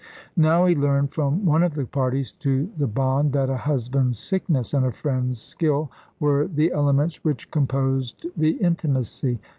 Now he learned from one of the parties to the bond that a husband's sickness, and a friend's skill, were the elements which composed the intimacy.